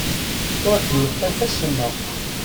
Ur d-yeṭṭif acemma.